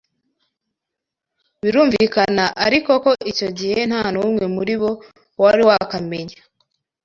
Birumvikana ariko ko icyo gihe nta n’umwe muri bo wari wakamenya